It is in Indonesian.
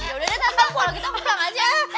ya udah tante kita pulang aja